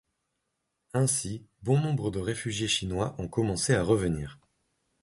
Ainsi, bon nombre de réfugiés Chinois ont commencé à revenir.